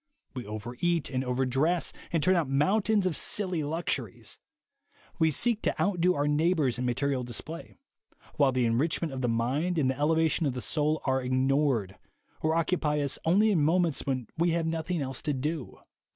We over eat and over dress and turn out mountains of silly luxuries; we seek to outdo our neighbors in material display; while the enrichment of the mind and the elevation of the soul are ignored, or occupy us only in moments when we have nothing else to do.